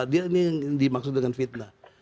dia ini yang dimaksud dengan fitnah